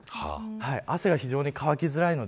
汗が非常に乾きづらいので。